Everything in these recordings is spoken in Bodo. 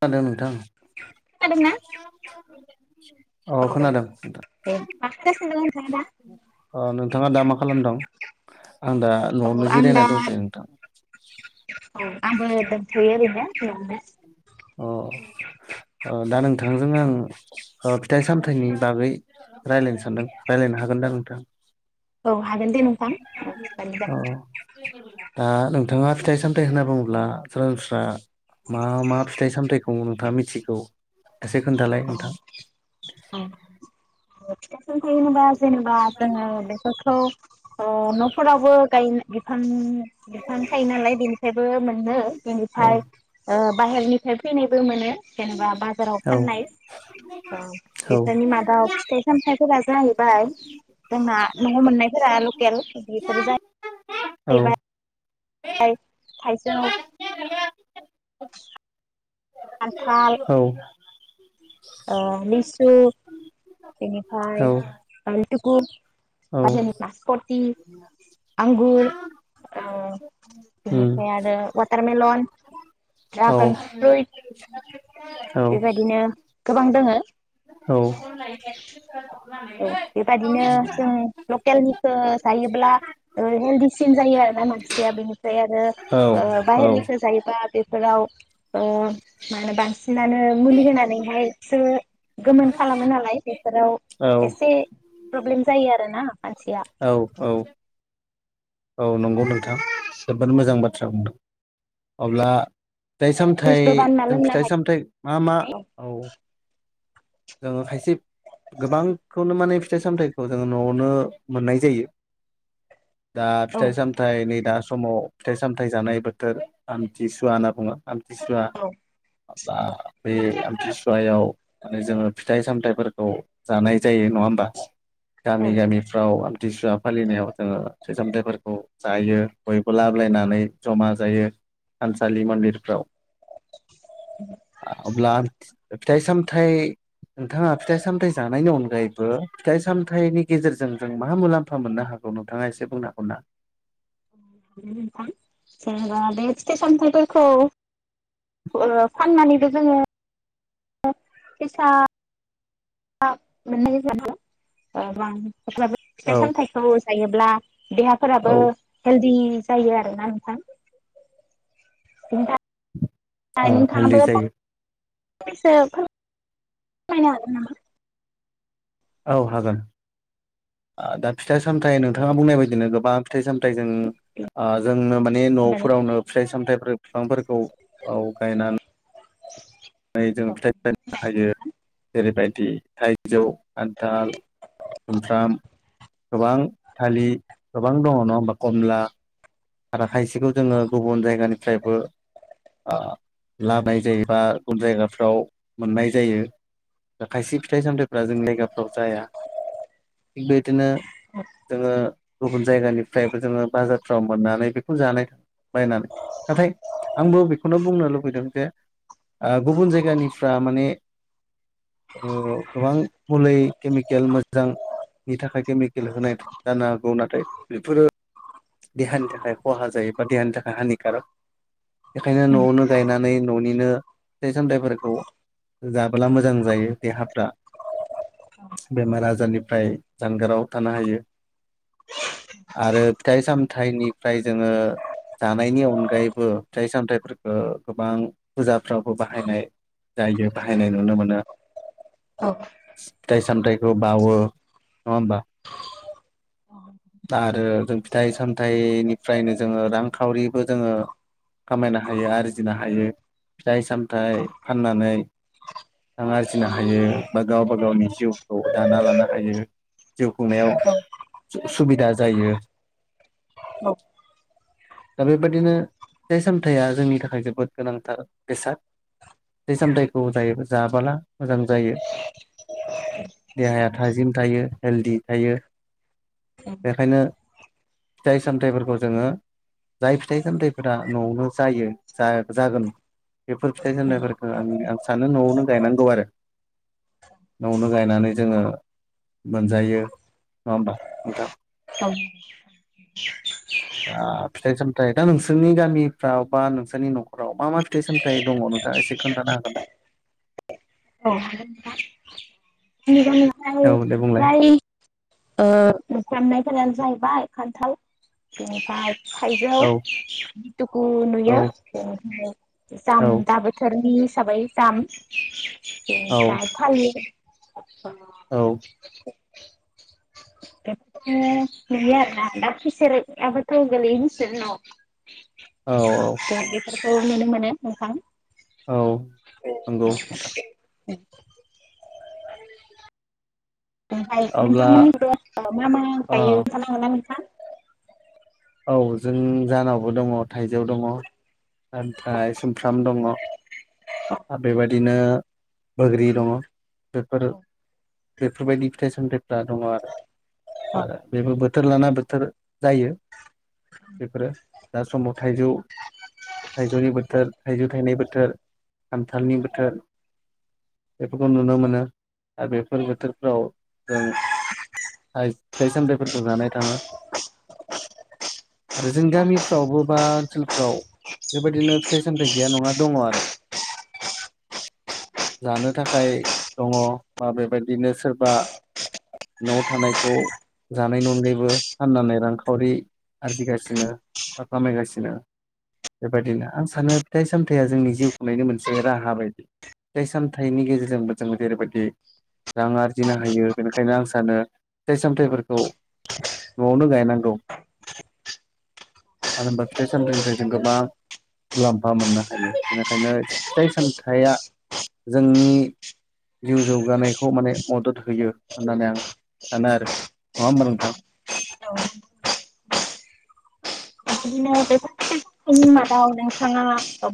खोनादों नोंथां। खोनादोंना? [unintelligible] औ खोनादों नोंथां। दे मा खालामगासिनो दं नोंथाङा दा? अ नोंथाङा दा मा खालामदों? आं दा औ नआवनो आं जिरायना दा दंथयो नोंथां। औ आंबो दंथयो एरैनो अ ओ दा नोंथांजों आं फिथाइ सामथाइनि बागै रायलायनो सानदों रायलायनो हागोन दा नोंथां औ हागोन दे नोंथां औ थिगानो औ जाबाय। दा नोंथाङा फिथाइ सामथाइ होनना बुङोब्ला सरासनस्रा। मा मा थाइखौ नोंथाङा मिथिगौ। एसे खोनथालाय नोंथां। जेनेबा जेनेबा जोङो बेखौथ। ओ नफोरावबो गाय बिफां। बिफांखायो नालाय बे थेबो मोननो। औ बेनिफ्राय ओ बाहेरनिफ्राय फैनायबो मोनो। जेनेबा बाजाराव औ फाननाय औ औ बेफोरनि मादायाव फिथाइ सामथायाइफोरा जाहैबाय जोंना नआव मोननायफोरा लकेल बि। फोर जा- औ [unintelligible] थाइजोव खान्थाल औ ओ लिसु बेनिफ्राय आथुकु औ बाहेरानि नासपथि आंगुर उम बेनिफ्राय आरो वाटारमेलन औ ड्रागन फ्रुइट बेबायदिनो। गोबां दोङो औ औ बेबायाददिनो जों लकेलनिखौ जायोब्ला हेलदिसिन जायो आरोना मानसिया बेनिफ्राय आरो औ औ बाहेरनिखौ जायोबा बे फोराव ओ मानो बा- बिसिनानो मुलि होनानैहाय। सो गोमोन खालामो नालाय एसे। आव औ एसे प्रब्लेम जायों आरो ना। औ औ औ नंगौ नोंथां जोबोद मोजां बाथ्रा बुंदों अब्ला। फिथाइ सामथाइ जुइसबो बानायना जों लोंनो हायो फिथाइ सामथाइ मा मा औ जोङो खायसे गोबांखौनो माने फिथाइ सामथाइखौ जोङो न'आवनो मोननाय जायो। दा औ फिथाइ सामथाइ नै दा समाव फिथाइ सामथाइ जानाय बोथोर आमथिसुवा होनना बुङो। आमथिसुवा औ बे आमथिसुवायाव माने जोङो फिथाइ सामथाइ फोरखौ जानाय जायो। नङा होमबा? औ गामि गामिफ्राव आमथिसुवा फालिनायाव जोङो फिथाइ सामथाइफोरखौ जायो बयबो लाबलायनानै जमा जायो थानसालि मन्दिरफ्राव। अब्ला फिथाइ सामथाइ नोंथाङा फिथाइ सामथाइ जानायनि अनगायैबो फिथाइ सामथाइनि गेजेरजों जों मा मुलाम्फा मोननो हागौ नोंथाङा एसे बुंनो हागौ ना। जेनेबा बे फिथाइ सामथाइफोरखौ ओ फाननानैबो जोङो फैसा [unintelligible] अब्लाबो फिथाइ औ सामथाइखौ जायोब्ला औ देहाफोराबो हेलदि जायो आरो ना नोंथां। नोंथां। अ हेलदि जायो। फंनैसो फोरमायनो हागोन नामा? औ हागोन दा फि थाइ सामथाइ नोंथाङा बुंनाय बायदिनो गो बां फिथाइ साम थाइ जों आ जोंनो माने होननानै न'फोरावनो फिथाइ सामथाइ फिफांफोरखौ औ गायना जों औ फिथाइ [unintelligible] हायो जेरैबाय [unintelligible] थाइजौ, खान्थाल, सुमफ्राम गोबां थालिर गोबां दङ' नङा होमबा कमला आरो खायसेखौ जोङो गुबुन जायगानिफ्रायबो आ लानाय जायो बा गुबुन जायगाफ्राव मोननाय जायो खायसे फिथाइ सामथाइ फ्रा जोंनि जायगाफ्राव जाया। बेबायदिनो जोङो गुबुन जायगानिफ्रायबो जोङो बाजारफ्राव मोननानै बेखौ जानाय बायनानै नाथाय आंबो बेखौनो बुंनो लुबैदों जे आ गुबुन जायगानिफ्रा माने ओ गोबां मुलै केमिकेल मोजांनि थाखाय केमिकेल होनाय जानो हागौ नाथाय बेफोरो देहानि थाखाय खहा जायो बा देहानि थाखाय हानिकारक। बेखायनो न'आवनो गायनानै न'निनो फिथाइ सामथाइफोरखौ जाबोला मोजां जायो देहाफ्रा। बेमार आजारनिफ्राय जानगाराव थानो हायो आरो फिथाइ साम थाइनिफ्राय जोङो जानायनि अनगायैबो फिथाइ सामथाइफोरखो गोबां फुजाफ्रावबो बाहायनाय जायो बाहायनाय नुनो मोनो। औ फिथाइ सामथाइखौ बावो नङा होमबा आरो जों फिथाइ सामथाइ थाइनिफ्रायनो जोङो रांखावरिबो जोङो खामायनो हायो आरजिनो हायो फिथाइ सामथाइ फाननानै रां आरजिनो हायो बा गावबा गावनि जिउखौ दाना लानो हायो जिउ खुंनायाव सुबिदा जायो औ औ दा बेबादिनो फिथाइ सामथाइया जोंनि थाखाय जोबोद गोनांथार बेसाद ज सामथायाखौ जायो जाबोला मोजां जायो देहाया थाजिम थायो हेलदि थायो बेखायनो फिथाइ सामथाइफोरखौ जोङो जाय फिथाइ सामथाइफोरा न'आवनो जायो जागोन बेफोर फिथाइ सामथाइफोरखौ आं आं सानो न'आवनो गायनांगौ आरो न'आवनो गायनानै जोङो मोनजायो नङा होमबा नोंथां औ दा फिथाइ सामथाइ दा नोंसोरनि गामिफ्राव बा नोंसोरनि न'खराव मा मा फिथाइ सामथाइ दङ नोंथाङा एसे खोन्थानो हागोन ना औ हागोन नोंथां औ दे बुंलाय प्राय मुफ्रामनायफोरानो जाहैबाय खान्थाल बेनिफ्राय थाइजौ औ लिथुखु नुयो औ ओमफ्राय जाम औ दा बोथोरनि साबाय जाम औ एनिफ्राय थालिर अ औ [unintelligible] औ - औ बेफोरखौ नुनो मोनो नोंथां औ नंगौ नोंथां ओमफ्राय अब्ला नोंथांमोननि दा मा-मा अ गायो खोनथानो हागोनना नोंथां औ जों जानावबो दङ थाइजौ दङ ओमफ्राय सुमफ्राम दङ आरो बेबायदि बिदिनो बोग्रि दङ बेफोर बेफोरबायदि फिथाय सामथाय फ्रा दङ आरो आरो बेबो बथोर बोथोर लाना बोथोर जायो बेफोरो दा समाव थाइजौ थाइजौनि बोथोर थाइजौ थायनाय बोथोर खान्थालनि बोथोर बेफोरखौ नुनो मोनो आरो बेफोर बोथोरफ्राव जों फिथाइ सामथाइफोरखौ जानाय थाङो आरो जों गामिफ्रावबो बा ओनसोलफ्राव बेबायदिनो फिथाइ सामथाइ गैया नङा दङ आरो जानो थाखाय दङ बा बेबायदिनो सोरबा न' थानायखौ जानाय अनगायैबो फाननानै रां खाम रांखावरि आरजिगासिनो बा खामायगासिनो बेबायदिनो आं सानो फिथाइ सामथाया जोंनि जिउ खुंनायनि मोनसे राहा बायदि फिथाइ सामथाइनि गेजेरजोंबो जोङो जेरैबायदि रां आरजिनो हायो बेनिखायनो आं सानो फिथाइ सामथाइफोरखौ न'आवनो गायनांगौ मानो होनबा फिथाइ सामथाइनिफ्राय जों गोबां मुलाम्फा मोननो हायो बेनिखायनो फिथाइ सामथाया जोंनि जिउ जौगानायखौ माने मदद होयो होननानै आं सानो आरो नङा होमबा नोंथां औ बेबायदिनो बेफोर मादाव नोंथाङा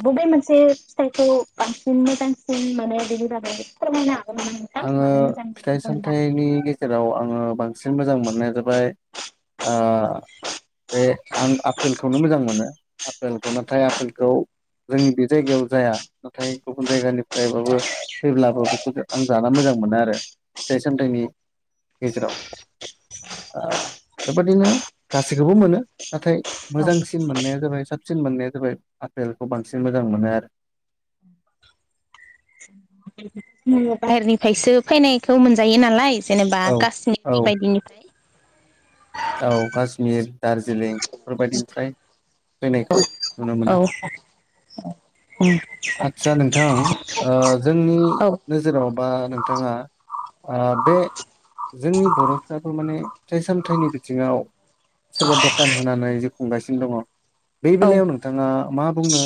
बबे मोनसे फिथाइखौ बांसिन मोजांसिन मोनानो बिनि बागै फोरमायनो हागोन नामा नोंथां आङो मानो मोजां मोनो फिथाइ होनबा सामथाइनि गेजेराव आङो बांसिन सिन मोजां मोननाया जाबाय बे आं आफेल खौनो मोजां मोनो आपेलखौ नाथाय आपेलखौ जोंनि बे जायगायाव जाया नाथाय गुबुन जायगानिफ्रायबाबो फैब्लाबो बे आं जा मोजां मोनो आरो फिथाइ सामथाइनि गेजेराव ओ बेबादिनो गासैखौबो मोनो नाथाय मोजांसिन मोननाया जाबाय मोजांसिन मोननाया जाबाय आपेलखौ बांसिन मोजां मोनो आरो। औ बाहेरनिफ्रायसो फैनायखौ मोनजायो नालाय। जेनेबा आरो औ काश्मिर बायदिनि औ कश्मिर दार्जिलिं बेफोरबायदिनिफ्राय फैनायखौ नुनो मोनो बेबायदिनिफ्राय आदसा नोंथां जोंनि औ नोजोराव बा नोंथाङा ओ बे जोंनि बर'फ्राबो माने थाइ सामथाइ निबो [unintelligible] सोरबा दकान होनानै खुंगासिनो दङ। बे औ बेलायाव नोंथाङा मा बुंनो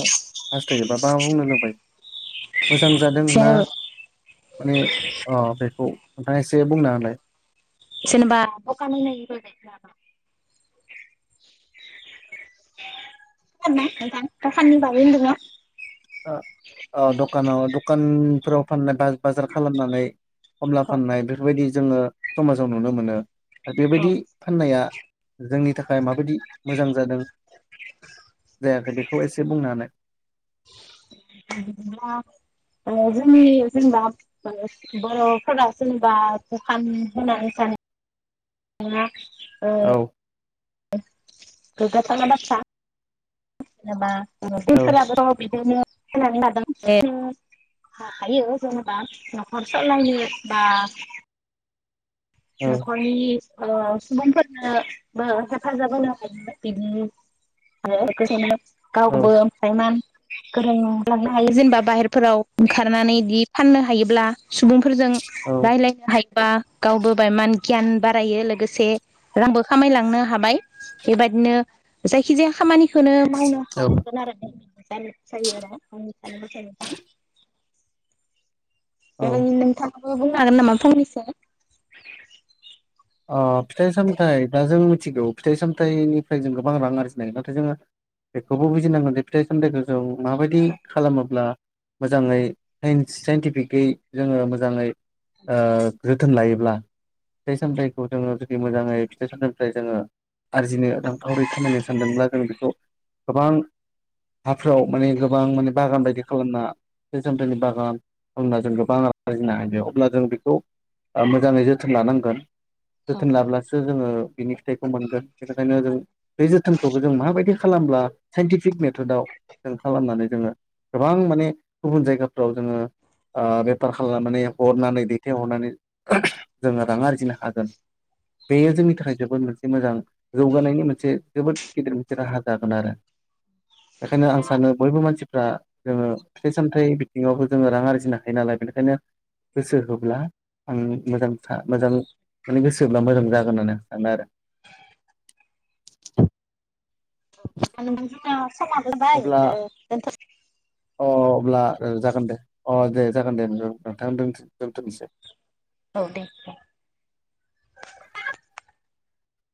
हास्थ [unintelligible] लुबाय मोजां जादों ना जेन माने अ बेखौ नोंथाङा एसे बुंनाहोलाय। जेनेबा दखाना होनो लुबैनायफ्रा बिदिनो आरो ना दखाननि बागै होनदोंना? अ दखानाव दखानफोराव फाननो बाजार खालामनानै ख'मला औ फाननाय बेफोरबायदि जोङो स'माजाव नुनो मोनो। औ बेबायदि फाननाया जोंनि थाखाय माबायदि मोजां जादों जायाखै बेखौ एसे बुंनो होनाय। बिदिनो जोंनि जेनेबा बर'फोरा जेनेबा दखान होनानै जानो नङा। ओ। औ गोगाथावना बाथ्रा। जेनबा [unintelligible] औ बेफोरनो [unintelligible] हायो जेनेबा न'खर सालायनो बा औ न'खरनि ओ सुबुंफोरनो हेफाजाब होनो हायो बिदि [inaudible] औ गावबो ओमफ्राय गोरान लांनो हायो जेनेबा बाहेरफोराव ओंखारनानै बिदि फाननो हायोब्ला सुबुंफो फोरजों औ रायज्लायनो हायो। बा गावबो बा गियान बारायो लोगोसे रांबो खामायलांनो हाबाय बेबायदिनो जायखिजाया खामानि खौनो मावनो औ हालांगोन आरो [unintelligible] औ देलायनि नोंथां बो बुंनो हागोन नामा फंनैसो? अ फिथाइ सामथाइ बा जों मिथिगौ फिथाइ सामथाइनिफ्राय जों गोबां रां आरजिनो हायो नाथाय जोङो बेखौबो बुजिनांगोन जे फिथाइ सामथाइखो औ माबायदि खालामोब्ला मोजाङै साइन्स साइन्टिफिकै जोङो मोजाङै ओ जोथोन लायोब्ला फिथाइ सामथाइ खौ दोङो जुदि मोजाङै फिथाइ सामथाइनिफ्राय जोङो आरजिनो रांखावरि खामायनो सानदोंब्ला जों बेखौ गोबां हाफ्राव माने गोबां माने बागान बायदि खालामना फिथाइ सामथाइनि बागान खालामना जों गोबां आरजिनो हायो अब्ला जों बेखौ मोजाङै जोथोन लानांगोन। जोथोन लाब्लासो जोङो बिनि फिथाइखौ मोनगोन बेनिखायनो जों बे जोथोनखौबो जों माबायदि खालामब्ला साइनटिफिक मेथदआव जों खालामनानै जोङो गोबां माने गुबुन जायगाफ्राव जोङो ओ बेफार खालामनानै हरनानै दैथायहरनानै जोङो रां आरजिनो हागोन। बेयो जोंनि थाखाय जोबोद मोनसे मोजां जौगानायनि मोनसे जोबोद गिदिर मोनसे राहा जागोन आरो। बेखायनो आं सानो बयबो मानसि फ्रा जोङो फिथाइ सामथाइ बिथिङावबो जोङो रां आरजिनो हायो नालाय बेनिखायनो गोसो होब्ला आं मोजां था मोजां माने गोसोब्ला मोजां जागोननानै साननो आरो। [unintelligible] समा जाबाय अब्ला ओ दोनथ' [unintelligible] अ अब्ला जागोन दे। अ दे जागोन दे नंगौ नोंथां। थां दोनथ' दोनथ'नोसै। औ दे दे।